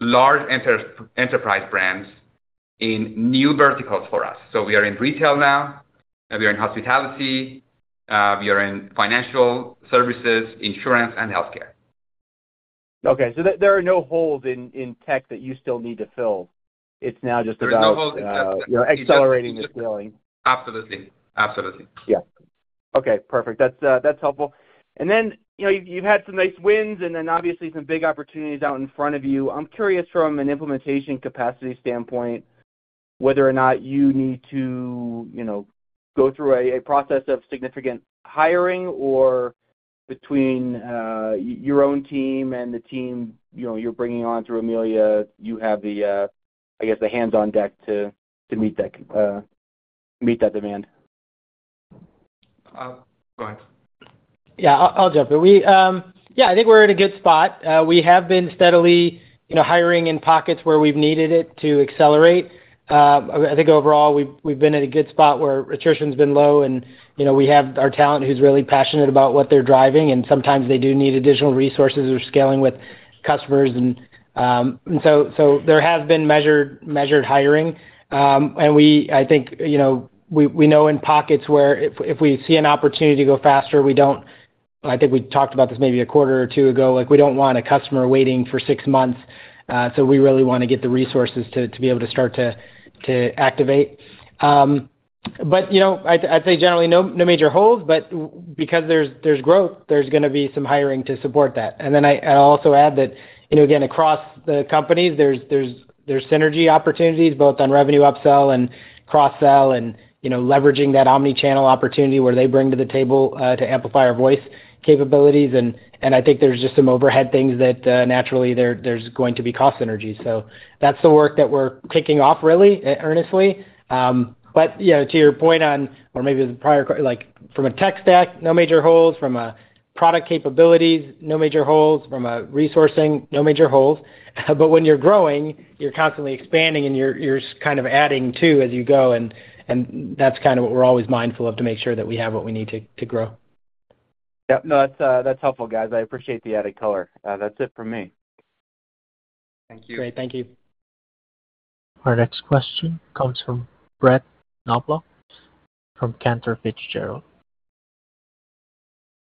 large enterprise brands in new verticals for us. So we are in retail now, and we are in hospitality, we are in financial services, insurance, and healthcare. Okay, so there are no holes in tech that you still need to fill. It's now just about- There are no holes in tech. You're accelerating the scaling. Absolutely. Absolutely. Yeah. Okay, perfect. That's helpful. And then, you know, you've had some nice wins and then obviously some big opportunities out in front of you. I'm curious from an implementation capacity standpoint, whether or not you need to, you know, go through a process of significant hiring, or between your own team and the team, you know, you're bringing on through Amelia, you have the, I guess, the hands-on deck to meet that demand? Go ahead. Yeah, I'll jump in. We, yeah, I think we're in a good spot. We have been steadily, you know, hiring in pockets where we've needed it to accelerate. I think overall, we've been in a good spot where attrition's been low and, you know, we have our talent who's really passionate about what they're driving, and sometimes they do need additional resources or scaling with customers and, so there have been measured hiring. And we, I think, you know, we know in pockets where if we see an opportunity to go faster, we don't. I think we talked about this maybe a quarter or two ago, like, we don't want a customer waiting for six months, so we really wanna get the resources to be able to start to activate. But, you know, I'd say generally, no major holes, but because there's growth, there's gonna be some hiring to support that. And then I'll also add that, you know, again, across the company, there's synergy opportunities, both on revenue upsell and cross-sell, and, you know, leveraging that omni-channel opportunity where they bring to the table to amplify our voice capabilities. And I think there's just some overhead things that naturally there's going to be cost synergies. So that's the work that we're kicking off really earnestly. But, you know, to your point on, or maybe the prior, like, from a tech stack, no major holes, from a product capabilities, no major holes, from a resourcing, no major holes. But when you're growing, you're constantly expanding, and you're kind of adding to, as you go, and that's kind of what we're always mindful of, to make sure that we have what we need to grow. Yep. No, that's, that's helpful, guys. I appreciate the added color. That's it for me. Thank you. Great. Thank you. Our next question comes from Brett Knoblauch from Cantor Fitzgerald.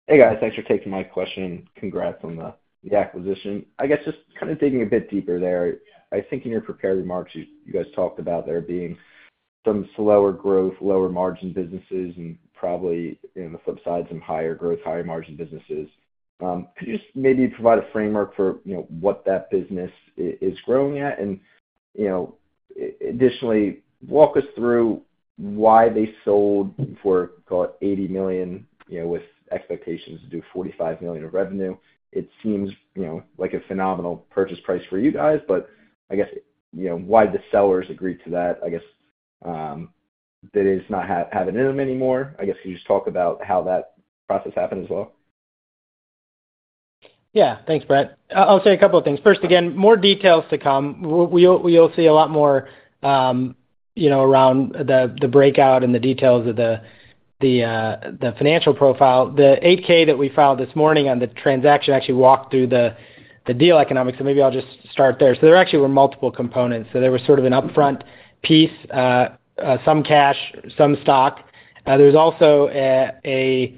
Hey, guys. Thanks for taking my question, and congrats on the acquisition. I guess just kind of digging a bit deeper there. I think in your prepared remarks, you guys talked about there being some slower growth, lower margin businesses, and probably, on the flip side, some higher growth, higher margin businesses. Could you just maybe provide a framework for, you know, what that business is growing at? And, you know, additionally, walk us through why they sold for, call it, $80 million, you know, with expectations to do $45 million of revenue. It seems, you know, like a phenomenal purchase price for you guys, but I guess, you know, why the sellers agreed to that, I guess, did it just not have it in them anymore? I guess can you just talk about how that process happened as well? Yeah. Thanks, Brett. I'll say a couple of things. First, again, more details to come. We'll see a lot more, you know, around the breakout and the details of the financial profile. The 8-K that we filed this morning on the transaction actually walked through the deal economics, so maybe I'll just start there. So there actually were multiple components. So there was sort of an upfront piece, some cash, some stock. There was also a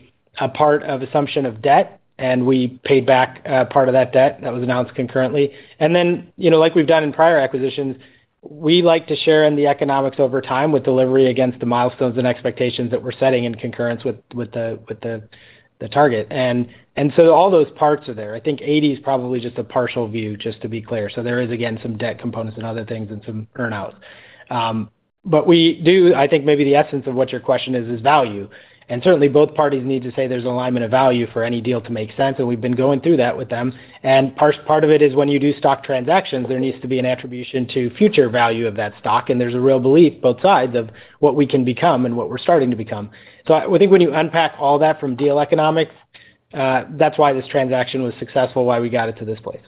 part of assumption of debt, and we paid back part of that debt. That was announced concurrently. And then, you know, like we've done in prior acquisitions, we like to share in the economics over time with delivery against the milestones and expectations that we're setting in concurrence with the target. So all those parts are there. I think 80 is probably just a partial view, just to be clear. So there is, again, some debt components and other things and some earn-out. But we do, I think maybe the essence of what your question is, is value. And certainly, both parties need to say there's alignment of value for any deal to make sense, and we've been going through that with them. And part of it is when you do stock transactions, there needs to be an attribution to future value of that stock, and there's a real belief, both sides, of what we can become and what we're starting to become. We think when you unpack all that from deal economics, that's why this transaction was successful, why we got it to this place.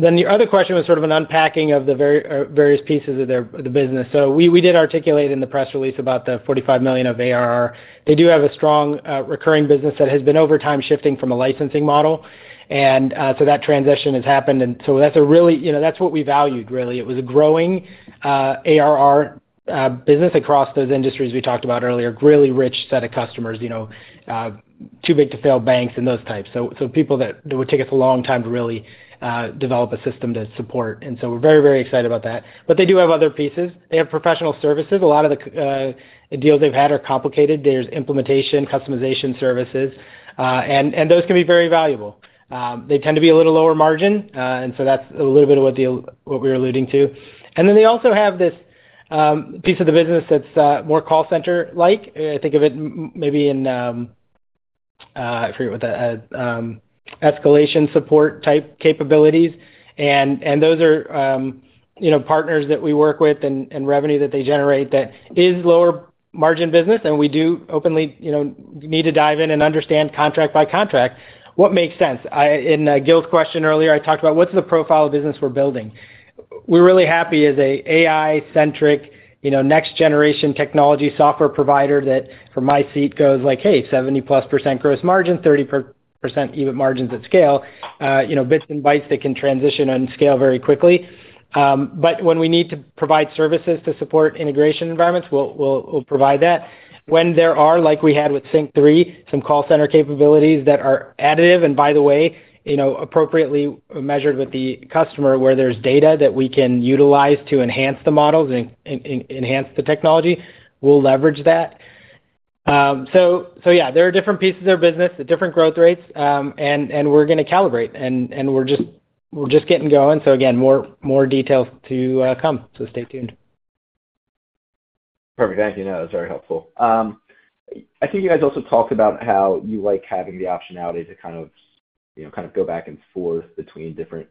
Then the other question was sort of an unpacking of the various pieces of their business. So we did articulate in the press release about the $45 million of ARR. They do have a strong recurring business that has been over time shifting from a licensing model. And so that transition has happened, and so that's a really... You know, that's what we valued, really. It was a growing ARR business across those industries we talked about earlier. Really rich set of customers, you know, too big to fail banks and those types. So people that it would take us a long time to really develop a system to support, and so we're very, very excited about that. But they do have other pieces. They have professional services. A lot of the deals they've had are complicated. There's implementation, customization services, and those can be very valuable. They tend to be a little lower margin, and so that's a little bit of what we were alluding to. And then they also have this piece of the business that's more call center-like. Think of it maybe in, I forget what that escalation support type capabilities. And those are, you know, partners that we work with and revenue that they generate that is lower margin business, and we do openly, you know, need to dive in and understand contract by contract what makes sense. In Gil's question earlier, I talked about what's the profile of business we're building? We're really happy as an AI-centric, you know, next generation technology software provider that, from my seat, goes like, hey, 70%+ gross margin, 30% EBIT margins at scale, you know, bits and bytes that can transition and scale very quickly. But when we need to provide services to support integration environments, we'll provide that. When there are, like we had with SYNQ3, some call center capabilities that are additive, and by the way, you know, appropriately measured with the customer, where there's data that we can utilize to enhance the models and enhance the technology, we'll leverage that. So yeah, there are different pieces of their business at different growth rates, and we're gonna calibrate. And we're just getting going, so again, more details to come. So stay tuned. Perfect. Thank you. That was very helpful. I think you guys also talked about how you like having the optionality to kind of, you know, kind of go back and forth between different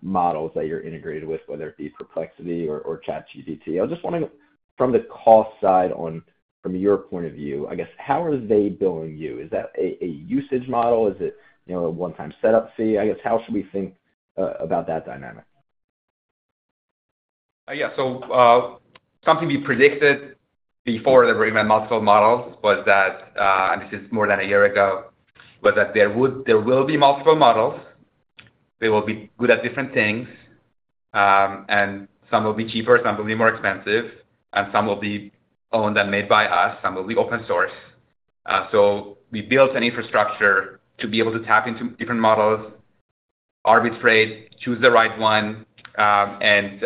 models that you're integrated with, whether it be Perplexity or, or ChatGPT. I just wanna know, from the cost side on, from your point of view, I guess, how are they billing you? Is that a, a usage model? Is it, you know, a one-time setup fee? I guess, how should we think about that dynamic? Yeah. So, something we predicted before the multiple models was that, and this is more than a year ago, was that there will be multiple models. They will be good at different things, and some will be cheaper, some will be more expensive, and some will be owned and made by us, some will be open source. So we built an infrastructure to be able to tap into different models, arbitrate, choose the right one, and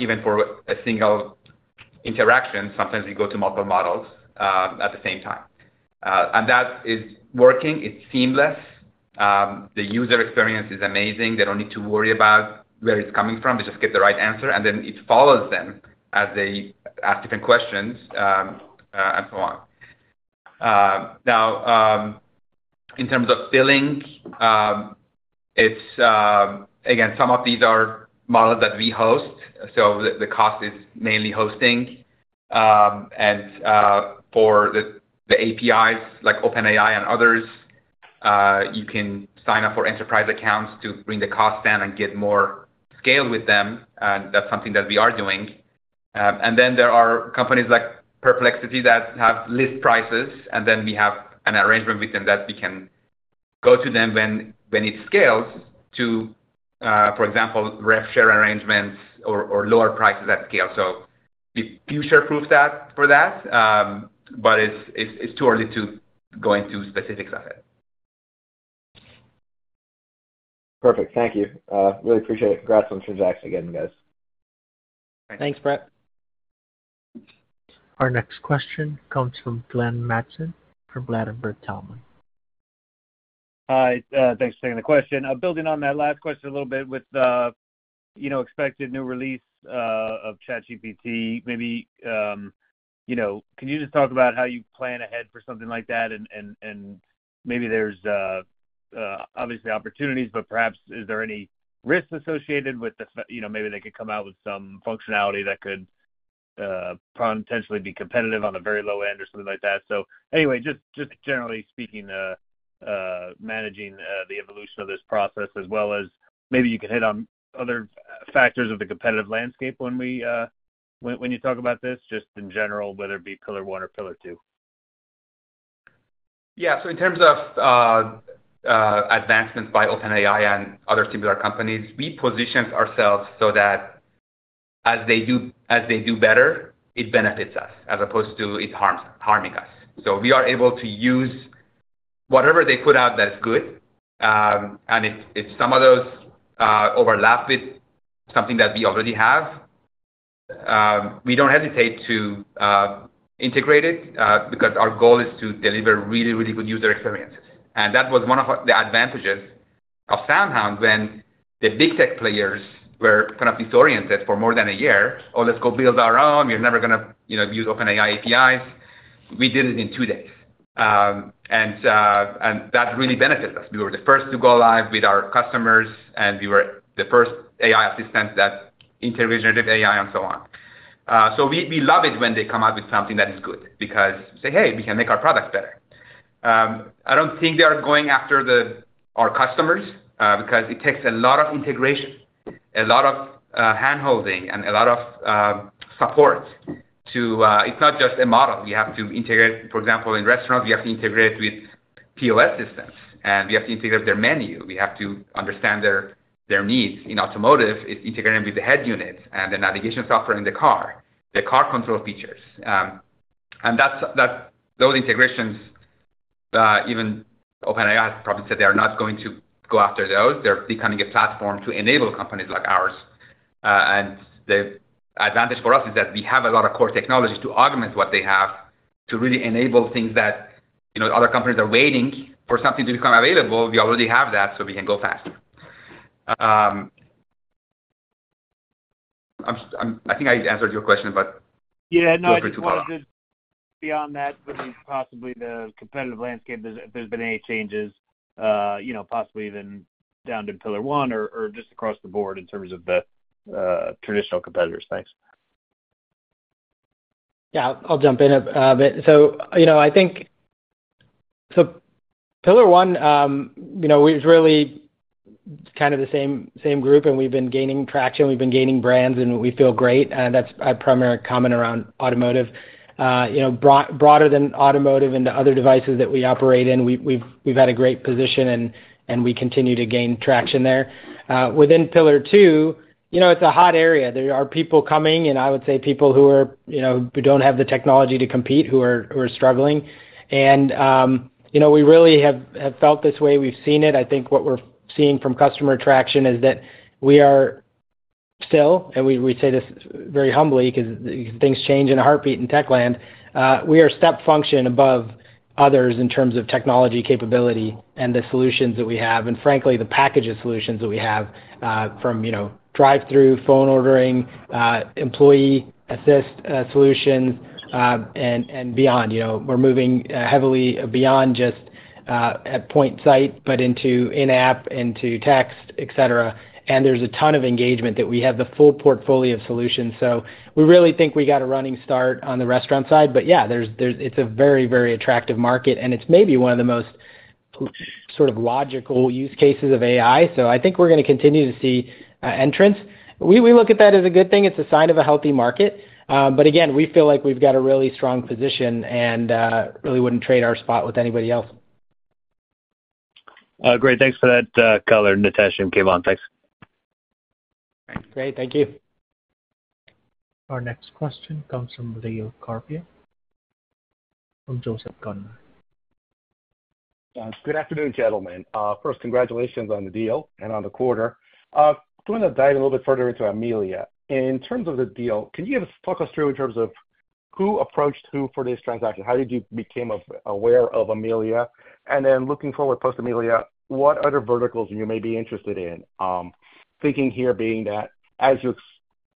even for a single interaction, sometimes we go to multiple models, at the same time. And that is working. It's seamless. The user experience is amazing. They don't need to worry about where it's coming from. They just get the right answer, and then it follows them as they ask different questions, and so on. Now, in terms of billing, it's, again, some of these are models that we host, so the, the cost is mainly hosting. And, for the, the APIs, like OpenAI and others, you can sign up for enterprise accounts to bring the cost down and get more scale with them, and that's something that we are doing. And then there are companies like Perplexity that have list prices, and then we have an arrangement with them that we can go to them when, when it scales to, for example, rev share arrangements or, or lower prices at scale. So we future-proof that, for that, but it's, it's, it's too early to go into specifics on it. Perfect. Thank you. Really appreciate it. Congrats on the transaction again, guys. Thanks, Brett. Our next question comes from Glenn Mattson from Ladenburg Thalmann. Hi, thanks for taking the question. Building on that last question a little bit with the, you know, expected new release of ChatGPT, maybe, you know, can you just talk about how you plan ahead for something like that? And maybe there's obviously opportunities, but perhaps is there any risks associated with the, you know, maybe they could come out with some functionality that could potentially be competitive on the very low end or something like that. So anyway, just generally speaking, managing the evolution of this process, as well as maybe you could hit on other factors of the competitive landscape when we, when you talk about this, just in general, whether it be Pillar 1 or Pillar 2. Yeah. So in terms of advancements by OpenAI and other similar companies, we positioned ourselves so that as they do better, it benefits us as opposed to it harms—harming us. So we are able to use whatever they put out that is good, and if some of those overlap with something that we already have, we don't hesitate to integrate it because our goal is to deliver really, really good user experiences. And that was one of the advantages of SoundHound when the big tech players were kind of disoriented for more than a year. "Oh, let's go build our own. We're never gonna, you know, use OpenAI APIs." We did it in two days. And that really benefited us. We were the first to go live with our customers, and we were the first AI assistants that integrated AI and so on. So we love it when they come out with something that is good because, say, "Hey, we can make our products better." I don't think they are going after our customers because it takes a lot of integration, a lot of handholding and a lot of support to... It's not just a model. We have to integrate, for example, in restaurants, we have to integrate with POS systems, and we have to integrate their menu. We have to understand their needs. In automotive, it's integrating with the head unit and the navigation software in the car, the car control features. And that's those integrations, even OpenAI has probably said they are not going to go after those. They're becoming a platform to enable companies like ours. And the advantage for us is that we have a lot of core technologies to augment what they have to really enable things that, you know, other companies are waiting for something to become available. We already have that, so we can go faster. I think I answered your question, but- Yeah, no, I just- Feel free to follow up. Beyond that, maybe possibly the competitive landscape, if there's been any changes, you know, possibly even down to Pillar 1 or, or just across the board in terms of the, traditional competitors. Thanks. Yeah, I'll jump in a bit. So, you know, I think so Pillar 1, you know, we've really kind of the same group, and we've been gaining traction, we've been gaining brands, and we feel great. That's our primary comment around automotive. You know, broader than automotive into other devices that we operate in, we've had a great position, and we continue to gain traction there. Within Pillar 2, you know, it's a hot area. There are people coming, and I would say people who are, you know, who don't have the technology to compete, who are struggling. And, you know, we really have felt this way. We've seen it. I think what we're seeing from customer traction is that we are still, and we, we say this very humbly because things change in a heartbeat in tech land. We are a step function above others in terms of technology capability and the solutions that we have, and frankly, the package of solutions that we have, from, you know, drive-through, phone ordering, Employee Assist, solutions, and, and beyond. You know, we're moving heavily beyond just at point of sale, but into in-app, into text, et cetera. And there's a ton of engagement that we have the full portfolio of solutions. So we really think we got a running start on the restaurant side. But yeah, there's, there's. It's a very, very attractive market, and it's maybe one of the most sort of logical use cases of AI. So I think we're gonna continue to see entrants. We look at that as a good thing. It's a sign of a healthy market. But again, we feel like we've got a really strong position and really wouldn't trade our spot with anybody else. Great. Thanks for that, color, Nitesh and Keyvan. Thanks. Great. Thank you. Our next question comes from Leo Carpio from Joseph Gunnar. Good afternoon, gentlemen. First, congratulations on the deal and on the quarter. Doing a dive a little bit further into Amelia. In terms of the deal, can you just talk us through in terms of who approached who for this transaction? How did you become aware of Amelia? And then looking forward, post-Amelia, what other verticals you may be interested in? Thinking here being that as you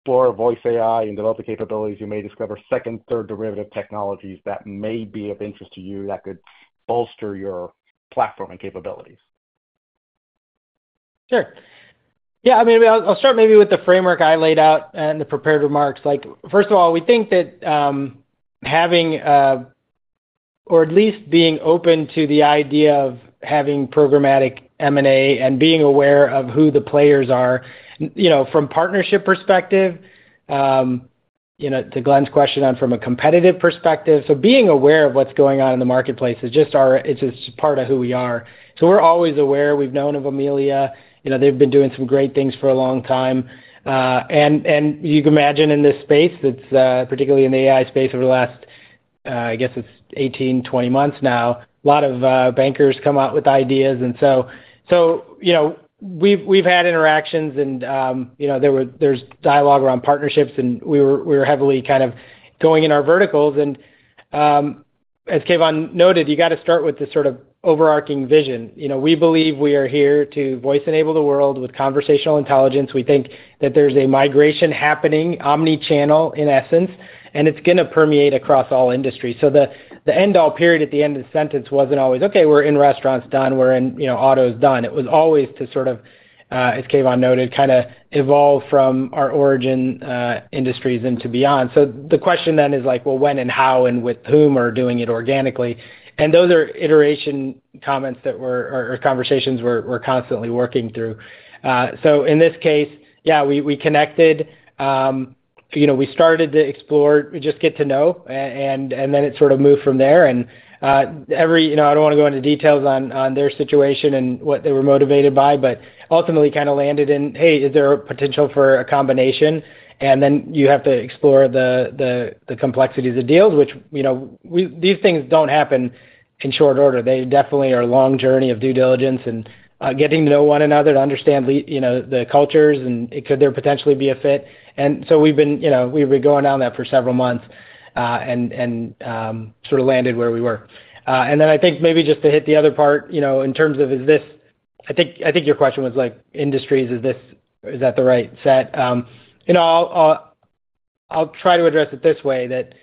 explore voice AI and develop the capabilities, you may discover second, third derivative technologies that may be of interest to you that could bolster your platform and capabilities. Sure. Yeah, I mean, I'll start maybe with the framework I laid out and the prepared remarks. Like, first of all, we think that, having, or at least being open to the idea of having programmatic M&A and being aware of who the players are, you know, from partnership perspective, you know, to Glenn's question on from a competitive perspective. So being aware of what's going on in the marketplace is just our—it's just part of who we are. So we're always aware. We've known of Amelia. You know, they've been doing some great things for a long time. And you can imagine in this space, it's, particularly in the AI space, over the last, I guess it's 18-20 months now, a lot of, bankers come out with ideas. And so, you know, we've had interactions and, you know, there's dialogue around partnerships, and we were heavily kind of going in our verticals. And, as Keyvan noted, you got to start with the sort of overarching vision. You know, we believe we are here to voice-enable the world with conversational intelligence. We think that there's a migration happening, omni-channel, in essence, and it's gonna permeate across all industries. So the end all period at the end of the sentence wasn't always, "Okay, we're in restaurants, done. We're in, you know, autos, done." It was always to sort of, as Keyvan noted, kinda evolve from our origin industries into beyond. So the question then is like, well, when and how and with whom are doing it organically? Those are iteration comments or conversations we're constantly working through. So in this case, yeah, we connected. You know, we started to explore, just get to know, and then it sort of moved from there. You know, I don't wanna go into details on their situation and what they were motivated by, but ultimately kinda landed in, hey, is there a potential for a combination? And then you have to explore the complexity of the deals, which, you know, these things don't happen in short order. They definitely are a long journey of due diligence and getting to know one another, to understand, you know, the cultures, and could there potentially be a fit? And so we've been, you know, we've been going down that for several months, and sort of landed where we were. And then I think maybe just to hit the other part, you know, in terms of is this - I think your question was like, industries, is this - is that the right set? You know, I'll try to address it this way, that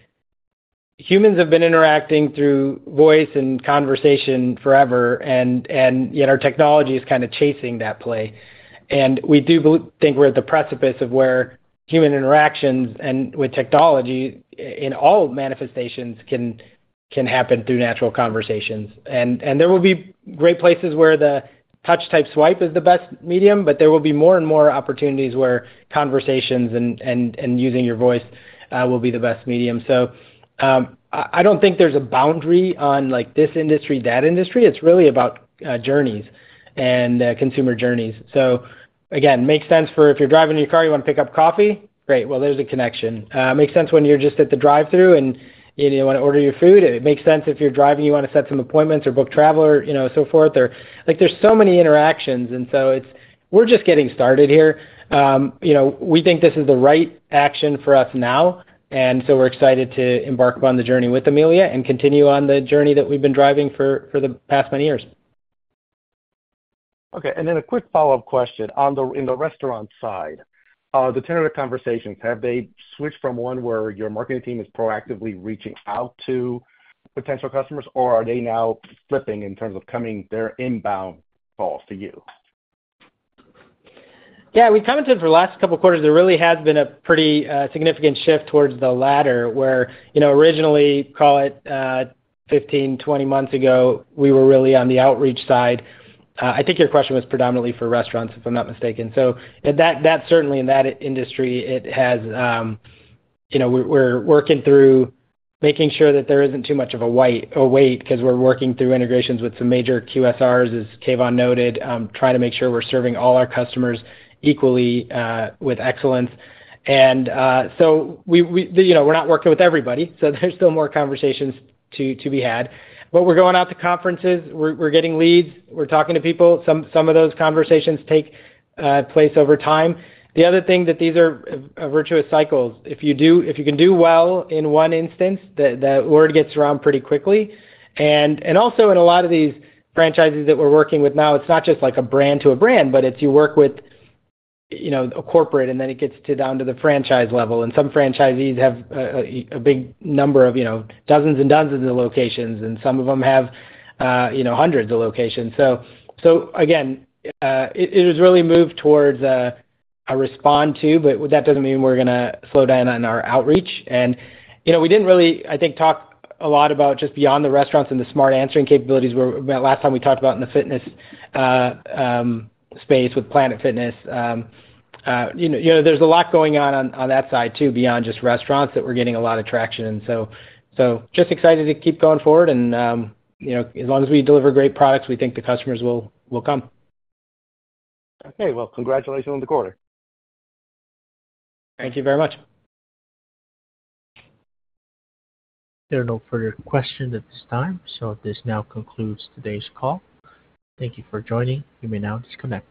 humans have been interacting through voice and conversation forever, and yet our technology is kinda chasing that play. And we do think we're at the precipice of where human interactions with technology in all manifestations can happen through natural conversations. And there will be great places where the touch-type swipe is the best medium, but there will be more and more opportunities where conversations and using your voice will be the best medium. So, I don't think there's a boundary on, like, this industry, that industry. It's really about journeys and consumer journeys. So again, makes sense for if you're driving your car, you want to pick up coffee, great. Well, there's a connection. It makes sense when you're just at the drive-thru and, you know, you wanna order your food. It makes sense if you're driving, you wanna set some appointments or book travel or, you know, so forth. Or, like, there's so many interactions, and so it's- we're just getting started here. You know, we think this is the right action for us now, and so we're excited to embark upon the journey with Amelia and continue on the journey that we've been driving for, for the past many years. Okay, and then a quick follow-up question. On the in the restaurant side, the tenor of conversations, have they switched from one where your marketing team is proactively reaching out to potential customers, or are they now flipping in terms of coming their inbound calls to you? Yeah, we commented for the last couple of quarters, there really has been a pretty significant shift towards the latter, where, you know, originally, call it, 15, 20 months ago, we were really on the outreach side. I think your question was predominantly for restaurants, if I'm not mistaken. So that, that certainly in that industry, it has, you know, we're, we're working through making sure that there isn't too much of a white space, 'cause we're working through integrations with some major QSRs, as Keyvan noted, trying to make sure we're serving all our customers equally, with excellence. And, so we, we, you know, we're not working with everybody, so there's still more conversations to, to be had. But we're going out to conferences, we're, we're getting leads, we're talking to people. Some of those conversations take place over time. The other thing that these are virtuous cycles. If you can do well in one instance, the word gets around pretty quickly. And also in a lot of these franchises that we're working with now, it's not just like a brand to a brand, but it's you work with, you know, a corporate, and then it gets down to the franchise level. And some franchisees have a big number of, you know, dozens and dozens of locations, and some of them have, you know, hundreds of locations. So again, it has really moved towards a response to, but that doesn't mean we're gonna slow down on our outreach. You know, we didn't really, I think, talk a lot about just beyond the restaurants and the Smart Answering capabilities, where last time we talked about in the fitness space with Planet Fitness. You know, there's a lot going on, on that side, too, beyond just restaurants, that we're getting a lot of traction. So just excited to keep going forward and, you know, as long as we deliver great products, we think the customers will come. Okay, well, congratulations on the quarter. Thank you very much. There are no further questions at this time. This now concludes today's call. Thank you for joining. You may now disconnect.